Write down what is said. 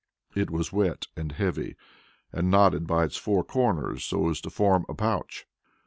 It was wet and heavy, and knotted by its four corners so as to form a pouch.